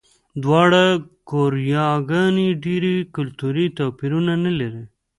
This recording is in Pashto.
دواړه کوریاګانې ډېر کلتوري توپیرونه نه لري.